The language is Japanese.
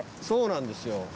そうなんですよ。